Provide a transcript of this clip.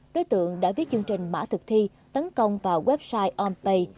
đối tượng đã viết chương trình mã thực thi tấn công vào website onpay